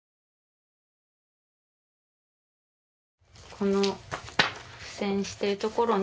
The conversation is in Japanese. この付箋しているところに。